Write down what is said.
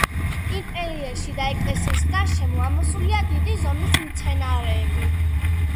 ინტერიერში და ეკლესიის გარშემო ამოსულია დიდი ზომის მცენარეები.